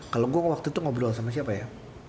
kalau gue waktu itu ngobrol sama siapa ya